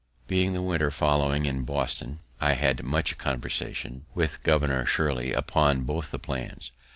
Being the winter following in Boston, I had much conversation with Governor Shirley upon both the plans.